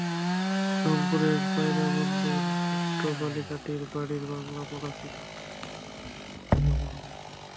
রংপুরের পায়রাবন্দের ছোট্ট বালিকাটির বাড়িতে বাংলা পড়া ছিল পাপ, ইংরেজি পড়া ছিল মহাপাপ।